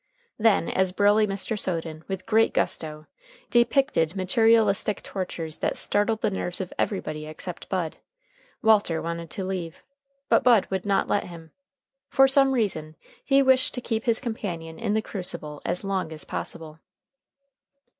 Then, as burly Mr. Soden, with great gusto, depicted materialistic tortures that startled the nerves of everybody except Bud, Walter wanted to leave, but Bud would not let him. For some reason he wished to keep his companion in the crucible as long as possible.